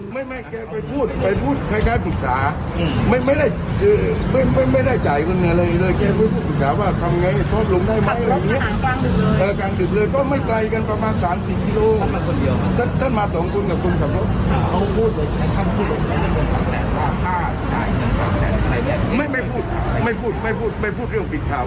ไม่ไม่พูดไม่พูดไม่พูดไม่พูดเรื่องผิดข่าว